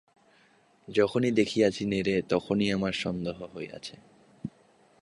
যখনই দেখিয়াছি নেড়ে, তখনই আমার সন্দেহ হইয়াছে।